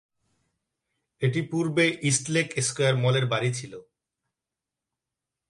এটি পূর্বে East Lake Square মলের বাড়ি ছিল।